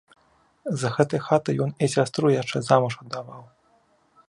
З гэтай хаты ён і сястру яшчэ замуж аддаваў.